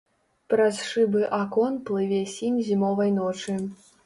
Праз шыбы акон плыве сінь зімовай ночы.